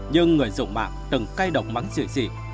nhưng người dụng mạng từng cay đồng mắng chị chị